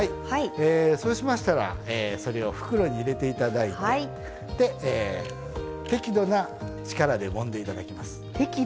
そうしましたらそれを袋に入れていただいて適度な力でもんでいただきます。